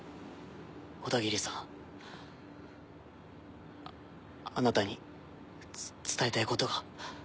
小田切さんあなたにつっ伝えたいことが。